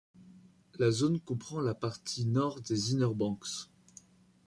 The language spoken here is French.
La zone comprend la partie nord des Inner Banks.